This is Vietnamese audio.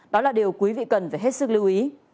đó là điều quý vị cần phải hết sức lưu ý